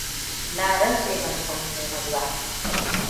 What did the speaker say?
Na rantse ban san komai ba.